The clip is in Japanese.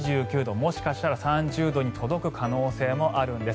もしかしたら３０度に届く可能性もあるんです。